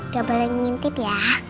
gak boleh ngintip ya